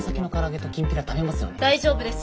大丈夫です。